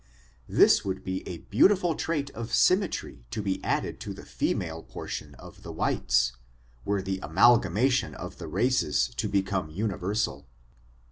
This would be a beautiful trait of symmetry to be added to the fe male portion of the whites^ were the amalgamation of the races to become universal.